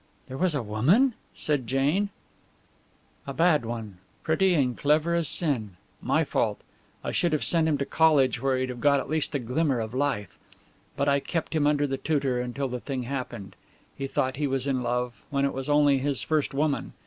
"There was a woman?" said Jane. "A bad one. Pretty and clever as sin. My fault. I should have sent him to college where he'd have got at least a glimmer of life. But I kept him under the tutor until the thing happened. He thought he was in love, when it was only his first woman.